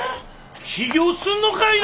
起業すんのかいな！